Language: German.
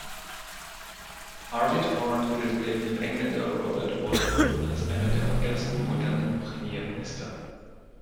Arvid Horn gilt neben dem Engländer Robert Walpole als einer der ersten modernen Premierminister.